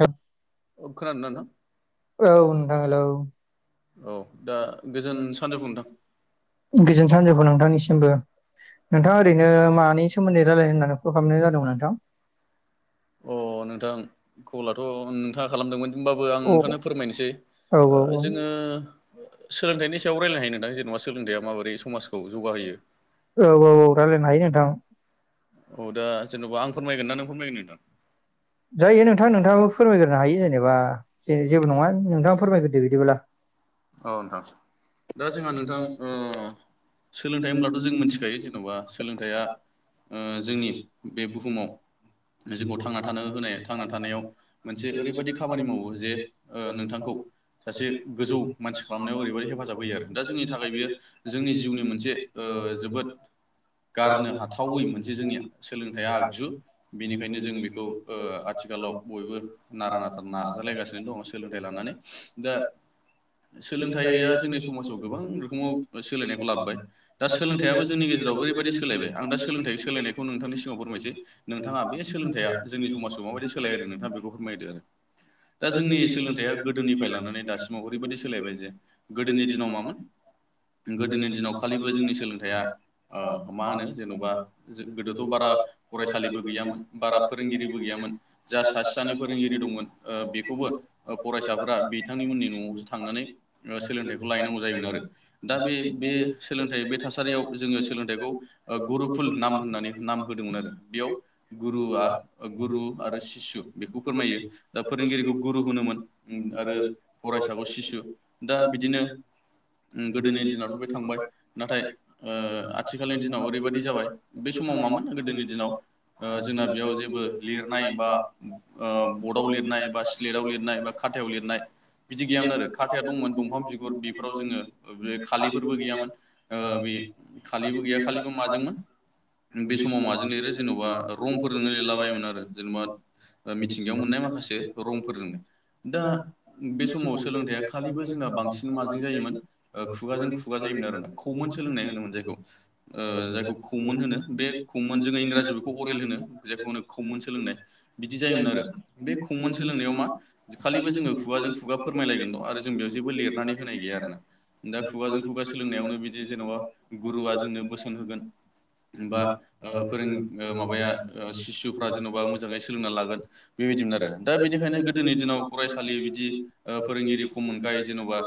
ह औ खोनादोंना नोंथा? औ दा गोजोन सानजौफु नोंथां। गोजोन सानजौखौ नोंथांनिसिमबो। नोंथाङा ओरैनो मानि सोमोन्दै रायजलायनो होननानै कल खालामनाय जादोंमोन नोंथां? अह नोंथां कलाथ' नोंथां खालामदोंमोन होमबाबो आं नोंथां फोरमायनोसै। जोङो सोलोंथाइनि सायाव रायज्लायनो हायो नोंथां। जेनेबा सोलोंथाइया माबोरै समाजखौ जौगाहोयो। औ औ औ रायलायनो हायो नोंथां। औ दा जेन'बा आं फोरमायगोन ना नों फोरमायगोन नोंथां? दायो नोंथां नोंथांनाव फोरोंनोायो ज नङाों औ नोंथां। दा जोंहा नोंथां सोलोंथाइ होनब्लाथ' जों मिथिखायो जेन'बा सोलोंथाइया जोंनि बे बुहुमाव जोंनाव थांना थानाय होनाय थांना थानायाव मोनसे ओरैबायदि खामानि मावो जे नोंथांखौ सासे गोजौ मानसि खालामनायाव ओरैबायदि हेफाजाब होयो आरो दा जोंनि थाखाय बियो जोंनि जिउनि मोनसे औ बिदिनो गारनो हाथावै मोनसे जोंनि सोलोंथाइया आगजु बेनिखायनो जों बेखौ ओ आथिखालाव बयबो नारा नाथा नाजालायगासिनो दङ सोलोंथाइ लानानै दा सोलोंथाइया जोंनि समाजाव गोबां रोखोमाव सोलायनायखौ लाबोबाय दा सोलोंथयाबो जोंनि गेजेराव ओरैबायदि सोलायबाय आं दा सोलोंथाइ सो सोलोंनायखौ नोंथांनि सिगाव फोरमायसै नोंथाङा बे सोंथया जों जोंनि समाजाव माबायदि सोलाय होदों नोंथाङा बेखौ फोरमायदो आरो दा जोंनि सोलोंथाइया गोदोनिफ्राय लानानै दासिमाव ओरैबायदि सोलायबाय जे गोदोनि दिनाव मामोन गोदोनि दिनाव खालिबो जोंनि सोलोंथाइया ओ मा होनो जेन'बा जो गोदोथ' बारा फरायसालिबो गैयामोन बारा फोर रोंगिरिबो गैयामोन जा सासे सानै फोरोंगिरि दंमोन ओ बेखौबो फरायसाफोरा बिथांनिमोननि न'आवसो थांनानै ओ सोलोंथाइखौ लाहैनांगौ जायोमोन आरो दा बे बे सोलोंथाइ बे थासारियाव जोङो सोलोंथाइखौ ओ गुरुुखुल नाम होननानै नाम होदोंमोन आरो बेयाव गुरूवा गुरु आरो सिसु बेखौ फोरमायो दा फोरोंगिरिखौ गुरु होनोमोन उम आरो फरायसाखौ सिसु दा बिदिनो उम गोदोनि दिनावथ' बे थांबाय नाथाय ओ आथिखालनि दिनाव ओरैबायदि जाबाय बे समाव मामोन गोदोनि दिनाव ओ जोंना बेयाव जे बो लिरनाय बा ओ बर्डआव लिरनाय बा स्लेटाव लिरनाय बा खाथायाव लिरनाय बिदि गैयामोन आरो खाथाया दंमोन दंफां बिगुर बेफोराव जोङो ओ बे खालिफोरबो गैयामोन ओ बे खालिबो गैया खालिबो माजोंमोन बे समाव माजों लिरो जेन'बा रंफोरजोंनो लिरला बायोमोन आरो जेनेबा ओ मिथिंगायाव मोननाय माखासे रंफोरजोंनो दा बे समाव सोलोंथाइया खालिबो जोंना बांसिन माजों जायोमोन ओ खुगाजों खुगा जायोमोन आरो ना खौमन सोलोंनाय होनोमोन जायखौ ओ जायखौ खौमोन होनो बे खौमोन जोङो इंग्राजियाव बेखौ अरेल होनो जायखौ होनो खौमोन सोलोंनाय बिदि जायोमोन आरो बे खौमोन सोलोंनायाव मा खालिबो जोङो खुगाजों खुगा फोरमायलायगोन ल' आरो जों बेयाव जेबो लिरनानै होनाय गैया आरो ना दा खुगाजों खुगा सोलोंनायावनो बिदि जेन'बा गुरुवआ जोंनो बोसोन होगोन बा ओ फोरों ओ माबाया ओ सिसुफ्रा जेन'बा मोजाङै सोलोंना लागोन बेबायदिमोन आरो दा बेनिखायनो गोदोनि दिनाव फरायसालि बिदि ओ फोरोंगिरि खम मोनखाय जेन'बा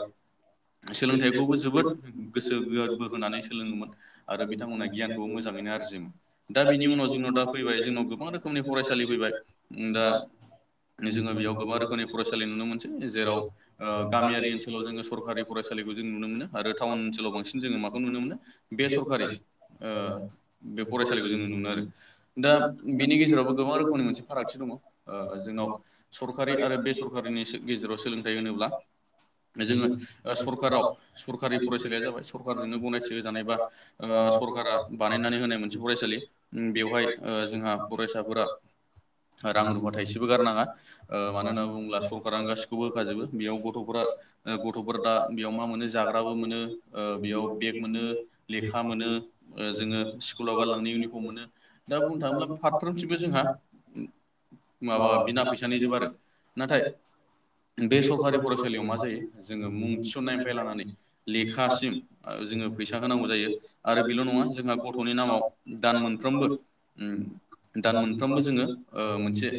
सोलोंथाइखौबो जोबोद गोसो गोरबो होनानै सोलोङोमोन आरो बिथांमोना गियान खौ मोजाङैनो आरजियोमोन दा बिनि उनाव जोंनाव दा फैबाय जोंनाव गोबां रोखोमनि फरायसालि फैबाय उम दा जोङो बेयाव गोबां रोखोमनि फरायसालि नुनो मोनसै जेराव ओ गामियारि ओनसोलाव जोङो सरकारि फरायसालिखौ जों नुनो मोनो आरो टाउन ओनसोलाव बांसिन जोङो माखौ नुनो मोनो बेसरकारि ओ बे फरायसालिखौ जों नुनो मोनो आरो दा बेनि गेजेरावबो गोबां रोखोमनि मोनसे फारागथि दङ' ओ जोंनाव सरखारि आरो बे सर कारिनि गेजेराव सोलोंथाइ होनोब्ला जोङो ओ सरकाराव सरकारि फरायसालिया जाबाय सरकारजोंनो गनायथि जानाय बा ओ सरकार रा बानायनानै होनाय मोनसे फरायसालि बेवहाय जोंहा फरायसाफोरा रां रुफा थाइसेबो गारनाङा ओ मानो होनना बुङोब्ला सरकारानो गासिखौबो होखाजोबो बेयाव गथ'फोरा ओ गथ'फोर दा बेयाव मा मोनो जाग्राबो मोनो ओ बेयाव बेग मोनो लेखा मोनो ओ जोङो स्कुलाव गानलांनो इउनिफर्म मोनो दा बुंनो थाङोब्ला फारफ्रोमथिंबो जोंहा माबा बिना फैसानि जोब आरो नाथाय बे सरखारि फरायसालियाव मा जायो जोङो मुं थिसन्नायनिफ्राय लानानै लेखासिम ओ जोङो फैसा होनांगौ जायो आरो बेल' नङा जोंहा गथ'नि नामाव दान मोनफ्रोमबो उम दान मोनफ्रोमबो जोङो मोनसे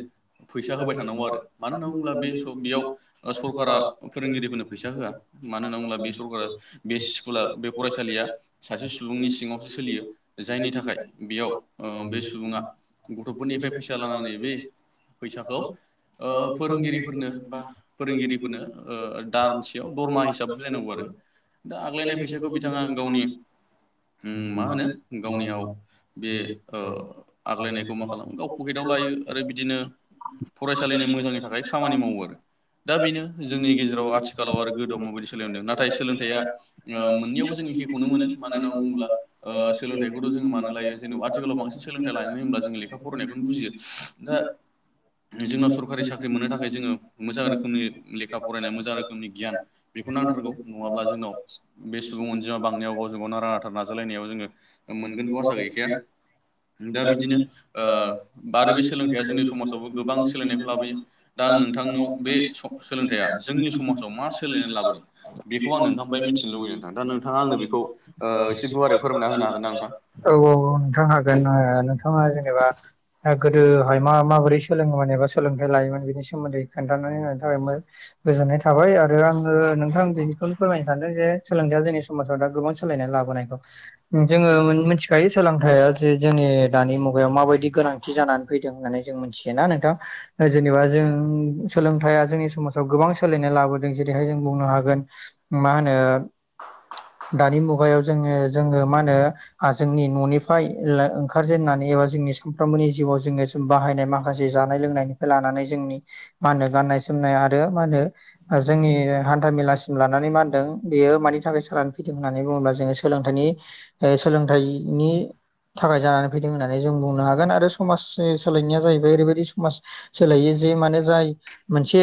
फैसा होबाय थानांगौ आरो मानो होनना बुङोब्ला बे स बेयाव सरकारा फोरोंगिरिफोरनो फैसा होआ। मानो होनना बुंब्ला बे सरकारा बे स्कुला बे फरायसालिया सासे सुबुंनि दिङावसो सोलियो जायनि थाखाय बेयाव ओ बे सुबुङा गथ'फोरनिफ्राय फैसा लानानै बे फैसाखौ ओ फोरोंगिरिफोरनो बा फोरोंगिरिफोरनो ओ दानसेयाव दरमाहा हिसाब बुजायनांगौ आरो दा आग्लायनाय फैसाखौ बिथाङा गावनि उम मा होनो गावनियाव बे ओ आग्लायनायखौ मा खालामो गाव पकेटाव लायो आरो बिदिनो फरायसालिनि मोजांनि थाखाय खामानि मावो आरो। दा बेनो जोंनि गेजेराव आथिखालाव आरो गोदो मोबायदि सोलिलांदों नाथाय सोलोंथाइया ओ मोननैयावबो जों एखेखौनो मोनो मानो होनना बुङोब्ला ओ सोलोंथाइखौथ' जोङो मानो लायो जेन'बा आथिख खालाव बांसिन सोलोंथाइ लानो होनोब्ला जोङो लेखा फरायनायखौनो बुजियो दा जोंनाव सरखारि साख्रि मोननो थाखाय जोङो मोजां रोखोमनि लेखा फरायनाय मोजां रोखोमनि गियान बेखौ नांथारगौ नङाब्ला जोंनाव बे सुबुं अनजिमा बांनायाव गावजों गाव नारा नाथा नार जालायनायाव जोङो मोनगोनखौ आसा गैखाया। दा बिदिनो ओ बा आरो बे सोलोंथाइया जोंनि समाजावबो गोबां सोलायनायखौ लाबोयो। दा आं नोंथांनाव बे स सोलोंथाइया जोंनि समाजाव मा सोलायनाय लाबोदों बेखौ आं नोंथांफाय मिथिनो लुबैयो नोंथां दा नोंथाङा आंनो बेखौ ओ एसे गुवारै फोरमायना होनो हागोन ना नोंथां? औ नोंथां हागोन ओ नोंथाङा जेनेबा गोदोहाय मा माबोरै सोलोङोेमोन एबा सोलोंथाइ लायोमोन बेनि सोमोन्दै खोन्थानानै होनायनि थाखाय मो-गोजोननाय थाबाय आरो आङो नोंथां बेनिखौनो फोरमायनो सानदों जे सोलोंथाइया जोंनि समाजाव दा गोबां सोलायनाय लाबोनायखौ जोङो मिथिखायो सोलों थाइया जे जोंनि दानि मुगायाव माबायदि गोनांथि जानानै फैदों होननानै जों मिथियोना नोंथां। जेनेबा जों सोलोंथाइया जोंनि समाजाव गोबां सोलायनाय लाबोदों जेरैहाय जों बुंनो हागोन मा होनो दानि मुगायाव जोङो जोङो मा होनो आ जोंनि न'नि फाय ओ ओंखारजेननानै एबा जोंनि सानफ्रामबोनि जिउआव जोङो जों बाहायनाय मा खासे जानाय लोंनायनिफ्राय लानानै जोंनि मा होनो गाननाय जोमनाय आरो मा होनो ओ जोंनि हान्था मेलासिम लानानै मा होनदों बेयो मानि थाखाय जानानै फैदों होननानै बुङोब्ला जोङो सोलोंथाइनि ओ सोलोंथाइ नि थाखाय जानानै फैदों होननानै जों बुंनो हागोन आरो समाजनि सोलायनाया जाहैबाय ओरैबायदि समाज सोलायो जे माने जाय मोनसे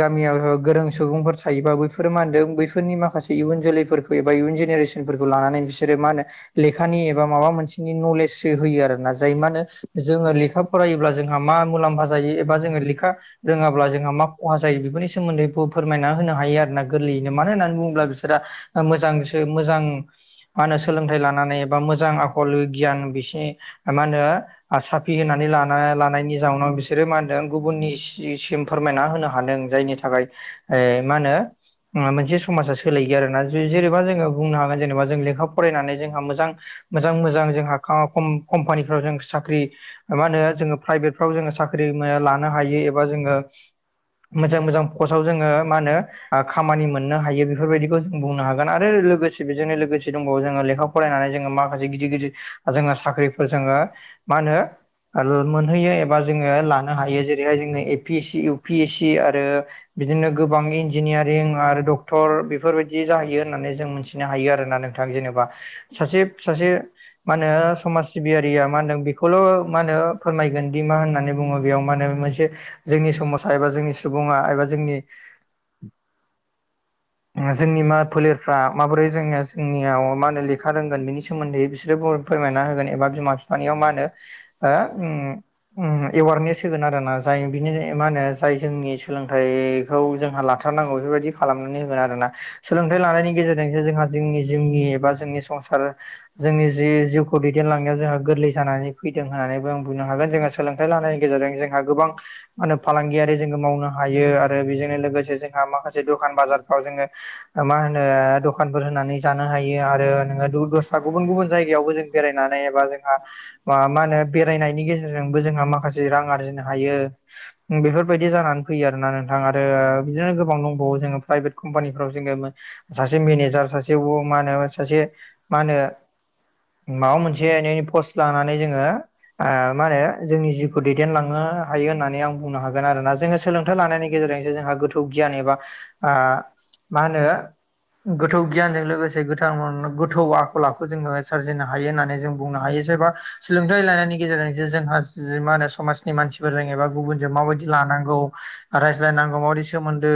गामियाव गोरों सुबुंफोर थायोबा बैफोर मा होनदों बैफोरनि माखासे इयुन जोलैफोरख एबा इयुन जेनेरेशनफोरखौ लानानै बिसोरो मा होनो लेखानि एबा माबा मोन थिनि नलेजसो होयो आरोना जाय मा होनो जोङो लेखा फरायोब्ला जों हा मा मुलाम्फा जायो एबा जोङो लेखा रोङाब्ला जोंहा मा खहा जायो बेफोरनि सोमोन्दै गु फोरमायना होनो हायो आरो ना गोरलैयैनो मानो होननानै बुङोब्ला बिसोरा मोजांसो मोजां मा होनो सोलोंथाइ लानानै एबा मोजां खल गियान बिसिनि मा होनो आ साफि होनानै लाना लानायनि नि जाउनाव बिसोरो मा होनदों गुबुननिसिसिम फोरमायना होनो हादों जायनि थाखाय एह मा होनो मोनसे समाजा सोलायायो आरोना जेनेबा जोङो बुंनो हागोन जेनेबा जों लेखा फरायनानै जोंहा मोजां मोजां मोजां जोंहा का कम कम्पानिफ्राव जों साख्रि मा होनो जोङो प्राइभेटफ्राव जोङो साख्रि माया लानो हायो एबा जोङो मोजां मोजां पसआव जोङो मा होनो ओ खामानि मोननो हायो बेफोरबायदिखौ जों बुंनो हागोन आरो लोगोसे बेजोंनो लोगोसे दंबावो जोङो लेखा फरायनानै जोङो माखासे गिदिर गिदिर जोङो साख्रिफोर जोङो मा होनो ओ मोनहैयो एबा जोङो लानो हायो जेरैहाय जोङो A P A U P S C आरो बिदिनो गोबां इन्जिनियारिं आरो डक्टर बेफोरबाय दि जाहैयो होननानै जों मिथिनो हायो आरोना नोंथां जेनेबा सासे सासे मा होनो समाज सिबियारिया मा होनदों बेखौल' मा होनो फोरमायगोन दि मा होननानै बुङो बेयाव मा होनो मोनसे जोंनि समाजा एबा जोंनि सुबुङा एबा जोंनि जोंनि मा फोलेरफ्रा माबोरै जोङो जोंनियाव मा होनो लेखा रोंगोन बेनि सो सोमोन्दै बिसोरोनो फोरमायना होगोन एबा बिमा बिफानियाव मा होनो ओ उम उम एवारनेस होगोन आरो ना जाय बिनि मा होनो जाय जोंनि सोलोंथाइ खौ जोंहा लाथारनांगौ बेफोरबायदि खालामनानै होगोन आरोना सोलोंथाइ लानायनि गेजेर जायजों जोंहा जोंनि जिउनि एबा जोंनि संसार जोंनि जि जिउ खौ दैदेनलांनायाव जोंहा गोरलै जानानै फैदों होननानैबो आं बुंनो हागोन जोंहा सोलोंथाइ लानायनि गेजेरजों जोंहा गोबां मा होनो फालांगियारि जोङो मावनो हायो आरो बेजोंनो लोगोसे जोंहा माखासे दखान बाजारफ्राव जोङो मा होनो दखानफोर होनानै जानो हायो आरो नोङो दुरदर गुबुन गुबुन जायगायावबो जों बेरायनानै एबा दा जोंहा मा होनो बेरायनायनि गेजेरजोंबो जोंहा माखासे रां आरजिनो हायो बेफोरबायदि जानानै फैयो आरो ना नोंथां आरो बिदिनो गोबां दंबावो प्राइभेट कम्पानिफ्राव जोङो सासे मेनेजार सासे मा होनो सासे मा होनो माबा मोनसे एनै पस्ट लानानै जोङो मा होनो जोंनि जिउखौ दैदेनलांनो हायो होननानै आं बुंनो हागोन आरो ना जोङो सोलोंथाइ लानायनि गेजेरजोंसो जोंहा गोथौ गियान एबा मा होनो गोथौ गियानजों लोगोसे गोथां गोथौ आखल आखु जोङो सोरजिनो हायो होननानै जों बुंनो हायो बा सोलोंथाइ लानायनि गेजेरजोंसो जोंहा मा होनो समाजनि मानसिफोरजों एबा गुबुनजों माबायदि लानांगौ रायज्लायनांगौ माबादि सोमोन्दो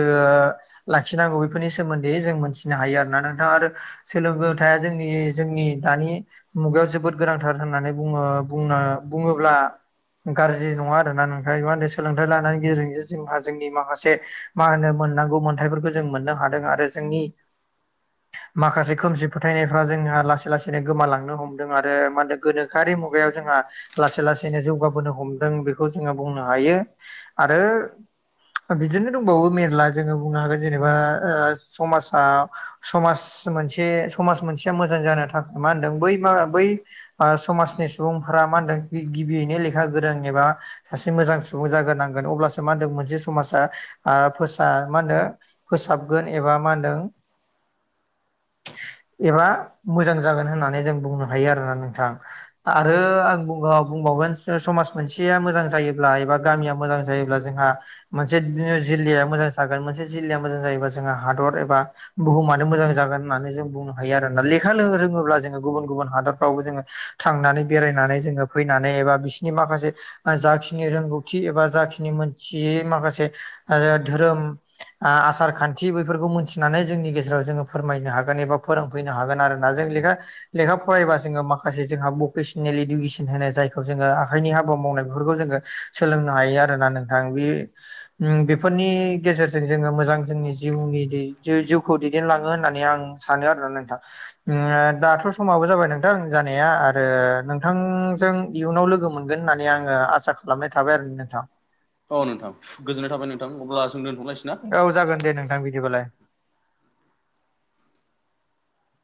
लाखिनांगौ बेफोरनि सोमोन्दै जों मोनथि नो हायो आरोना नोंथां आरो सोंलों थाया जोंनि जोंनि दानि मुगायाव जोबोद गोनांथार होननानै बुङो बुंनो बुङोब्ला गाज्रि नङा आरोना नोंथां मा होनो सोलोंथाइ लानायनि गेजेरजों जोंहा जोंनि माखासे मा होनो मोननांगौ मोन्थायफोरखौ जों मोननो हादों आरो जोंनि माखासेखौ जों नायफ्राव जोंहा लासै लासैनो गोमालांनो हमदों आरो मा होनो गोनोखोआरि मुगायाव जोंहा लासै लासैनो जौगाबोनो हमदों बेखौ जोङो बुंनो हायो आरो बिदिनो दंबावो मेरला जोङो बुंनो हागोन जेनेबा समाजा समाज मोनसे समाज मोनसेया मोजां जानो थाखाय मा होनदों बै मा बै समाजनि सुबुंफोरा मा होनदों गिबियैनो लेखा गोरों एबा सासे मोजां सुबुं जाग्रोनांगोन अब्लासो मा होनदों मोनसे समाजा फोसा मा होनो फोसाबगोन एबा मा होनदों होम एबा मोजां जागोन होननानै जों बुंनो हायो आरोना नोंथां आरो आं बुङो बुंबावगोन समाज मोनसेया मोजां जायोब्ला एबा गामिया मोजां जायोब्ला जोंहा मोनसे जिल्लाया मोजां जागोन मोनसे जिल्लाया मोजां जायोबा जोंहा हादर एबा बुहुमानो मोजां जागोन होननानै जों बुंनो हायो आरोना लेखा रोङोब्ला जोङो गुबुन गुबुन हादोरफ्रावबो जोङो थांनानै बेरायनानै जोङो फैनानै एबा बिसोरनि माखासे जाखिनि रोंगौथि एबा जाखिनि मोनथियै माखासे आरो धोरोम आसार खान्थि बैफोरखौ मोनथिनानै जोंनि गेजेराव जोङो फोरमायनो हागोन एबा फोरोंफैनो हागोन आरो ना जों लेखा लेखा फरायबा जोङो माखासे जोंहा भकेसनेल इडुकेसन होनो जायखौ जोङो आखाइनि हाबा मावनाय बेफोरखौ जोङो सोलोंनो हायो आरोना नोंथां बे बेफोरनि गेजेर जों जोङो मोजां जोंनि जिउनि जिउखौ दैदेनलाङो होननानै आं सानो आरोना नोंथां दाथ' समाबो जाबाय नोंथां जानाया आरो नोंथांजों इयुनाव लोगो मोनगोन होननानै आङो आसा खालामनाय थाबाय आरो नोंथां औ नोंथां गोजोननाय थाबाय नोंथां अब्ला जों दोन्थ'लायसै ना बिदिबालाय